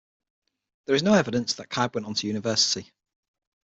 There is no evidence that Kyd went on to university.